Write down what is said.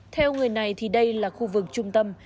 theo người này thì đây là khu vực trung tâm